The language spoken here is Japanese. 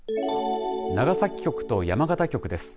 長崎局と山形局です。